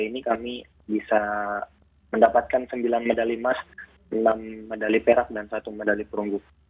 di sea games kamboja ini kami bisa mendapatkan sembilan medali emas enam medali perak dan satu medali perunggu